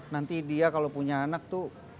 nanti dia kalau punya anak tuh